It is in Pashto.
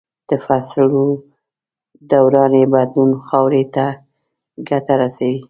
د فصلو دوراني بدلون خاورې ته ګټه رسوي.